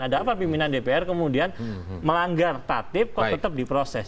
ada apa pimpinan dpr kemudian melanggar tatip kok tetap diproses